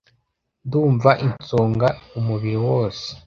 ndumva insonga umubiri wose